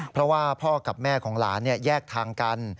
เพราะว่าพ่อกับแม่ของหลานแยกทางกัน